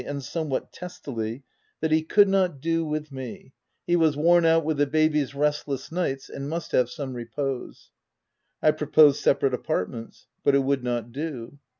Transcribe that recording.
and somewhat testily, that he could not do OP WILDFELL HALL. 161 with me : he was worn out with the baby's rest less nights, and must have some repose. I proposed separate apartments ; but it would not do.